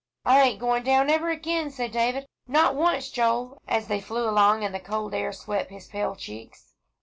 "I ain't going down ever again," said David, "not once, Joel," as they flew along and the cold air swept his pale cheeks.